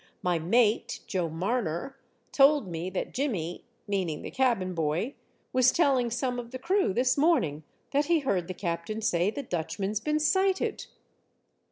My mate, Joe Marner, told me that Jimmy — meaning the cabin boy — was telling some of the crew this morning, that he heard the captain say the Dutchman's been sighted."